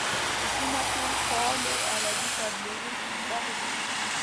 په سیمه کې فعالو عربي تبلیغي ډلو کې شته.